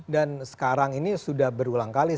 dan sekarang ini sudah berulang kali